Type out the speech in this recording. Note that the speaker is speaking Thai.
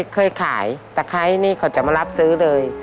เคยขายตะไคร้นี่เขาจะมารับซื้อเลย